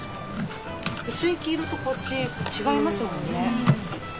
薄い黄色とこっち違いますもんね。